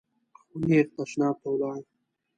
خو نېغ تشناب ته ولاړ .